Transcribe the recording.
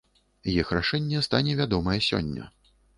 Іх рашэнне стане вядомае сёння.